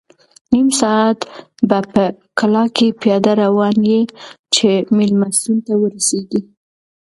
نیم ساعت به په کلا کې پیاده روان یې چې مېلمستون ته ورسېږې.